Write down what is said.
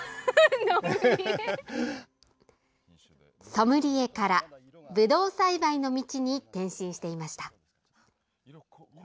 ソムリエからぶどう栽培の道に転身していました。